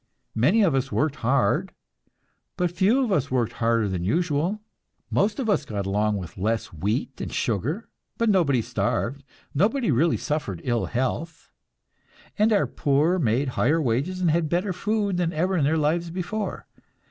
Many of us worked hard, but few of us worked harder than usual. Most of us got along with less wheat and sugar, but nobody starved, nobody really suffered ill health, and our poor made higher wages and had better food than ever in their lives before.